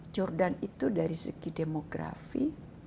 jordan itu dari segi demografi